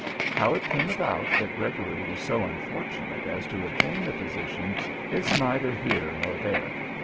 How it came about that Gregory was so unfortunate as to obtain the position is neither here nor there.